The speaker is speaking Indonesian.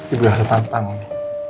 ibu elsa tandatangani